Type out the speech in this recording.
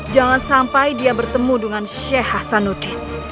jangan sampai dia bertemu dengan sheikh hasanuddin